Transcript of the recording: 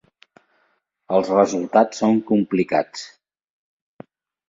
Els resultats són complicats.